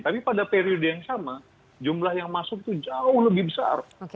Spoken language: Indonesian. tapi pada periode yang sama jumlah yang masuk itu jauh lebih besar